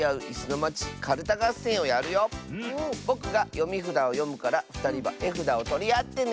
ぼくがよみふだをよむからふたりはえふだをとりあってね！